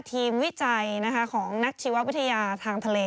วิจัยของนักชีววิทยาทางทะเล